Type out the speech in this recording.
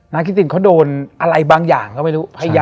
คิดตินเขาโดนอะไรบางอย่างก็ไม่รู้